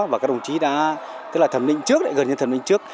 và các đồng chí đã thẩm định trước gần như thẩm định trước